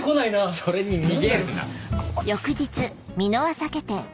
それに逃げるな。